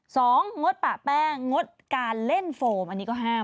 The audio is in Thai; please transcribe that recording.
งดปะแป้งงดการเล่นโฟมอันนี้ก็ห้าม